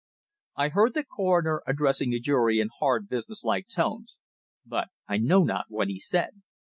I heard the Coroner addressing the jury in hard, business like tones, but I know not what he said.